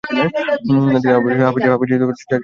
তিনি আরও বলেছেনঃ ‘হাফেজে হাদিস বলতে চারজনকেই বুঝায় ।